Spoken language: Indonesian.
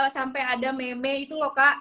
sampai ada meme itu loh kak